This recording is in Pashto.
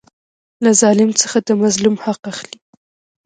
له ظالم څخه د مظلوم حق اخلي.